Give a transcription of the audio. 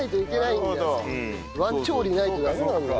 ワン調理ないとダメなんだ。